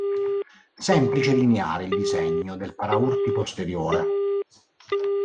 Semplice e lineare il disegno del paraurti posteriore.